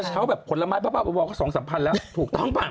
ถ้าเช้าแบบผลไม้ประวัติบัติบัวก็๒๓พันบาทแล้วถูกต้องฟัง